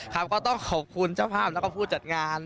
ก็ต้องขอบคุณเจ้าภาพแล้วก็ผู้จัดงาน